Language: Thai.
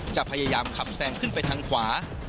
จะพยายามขับแซงขึ้นไปทางขวา